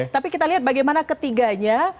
tapi kita lihat bagaimana ketiganya